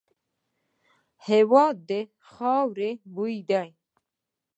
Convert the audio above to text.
هېواد د خاوري بوی دی.